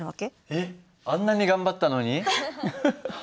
えっあんなに頑張ったのに？